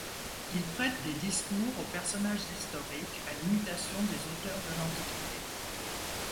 Il prête des discours aux personnages historiques à l'imitation des auteurs de l'Antiquité.